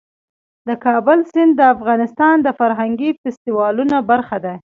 د کابل سیند د افغانستان د فرهنګي فستیوالونو برخه ده.